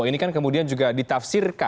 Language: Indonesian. ini kan kemudian juga ditafsirkan